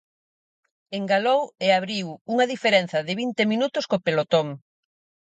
Engalou e abriu unha diferenza de vinte minutos co pelotón.